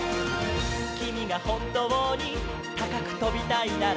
「きみがほんとうにたかくとびたいなら」